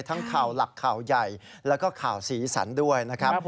ทั้งข่าวหลักข่าวใหญ่แล้วก็ข่าวสีสันด้วยนะครับ